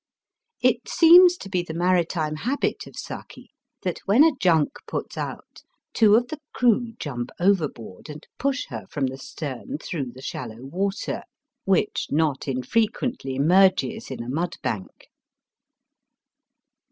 It seems to be the mari time habit of Saki that when a junk puts out two of the crew jump overboard and push her from the stem through the shallow water, Digitized by VjOOQIC S84 BAST Bt WBSI*. •Virhich not infrequently merges in a mud bank.